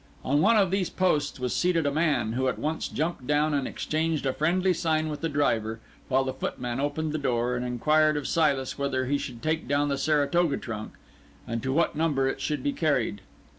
On one of these posts was seated a man, who at once jumped down and exchanged a friendly sign with the driver, while the footman opened the door and inquired of Silas whether he should take down the Saratoga trunk, and to what number it should be carried.